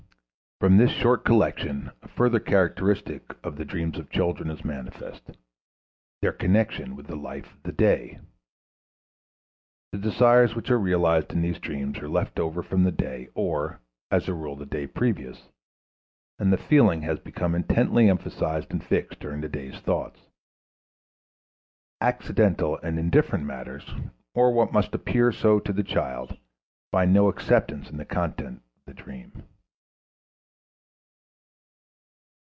From this short collection a further characteristic of the dreams of children is manifest their connection with the life of the day. The desires which are realized in these dreams are left over from the day or, as a rule, the day previous, and the feeling has become intently emphasized and fixed during the day thoughts. Accidental and indifferent matters, or what must appear so to the child, find no acceptance in the contents of the dream.